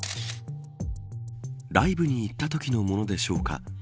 ライブに行ったときのものでしょうか。